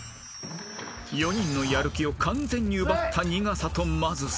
［４人のやる気を完全に奪った苦さとまずさ］